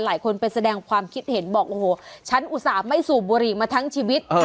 หลายคนไปแสดงความคิดเห็นบอกโอ้โหฉันอุตส่าห์ไม่สูบบุหรี่มาทั้งชีวิต